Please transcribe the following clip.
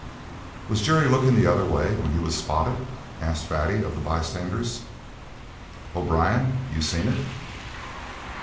"_ "Was Jerry lookin' the other way when he was spotted?" asked Fatty of the bystanders. "O'Brien, you seen it?"